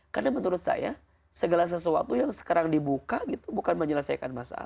karena menurut saya segala sesuatu yang sekarang dibuka gitu bukan menyelesaikan masalah